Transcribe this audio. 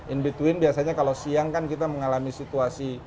in between biasanya kalau siang kan kita mengalami situasi